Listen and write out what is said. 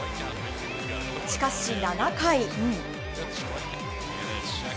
しかし、７回。